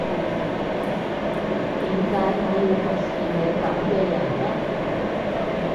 點解我要服侍你噉嘅人呢